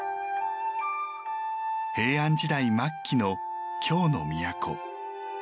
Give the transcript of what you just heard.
平安時代末期の京の都。